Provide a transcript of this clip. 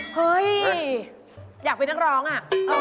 เฮ่ยอยากไปนั่งร้องน่ะเอ้อ